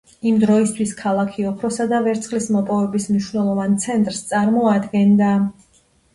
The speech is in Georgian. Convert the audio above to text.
იმ დროისთვის ქალაქი ოქროსა და ვერცხლის მოპოვების მნიშვნელოვან ცენტრს წარმოადგენდა.